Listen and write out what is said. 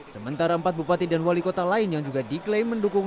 sementara empat bupati dan wali kota lain yang juga diklaim mendukung